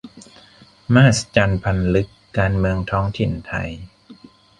มหัศจรรย์พันลึก การเมืองท้องถิ่นไทย